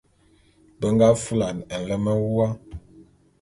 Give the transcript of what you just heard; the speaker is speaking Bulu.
Be nga fulane nlem wua.